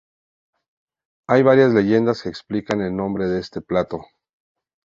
Hay varias leyendas que explican el nombre de este plato.